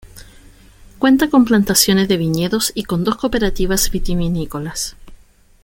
Cuenta con plantaciones de viñedos y con dos cooperativas vitivinícolas.